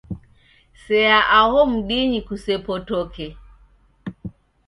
Sea aho mdinyi kusepotoke